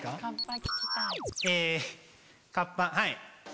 はい。